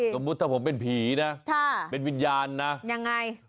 สมมุติถ้าผมเป็นผีนะเป็นวิญญาณนะยังไง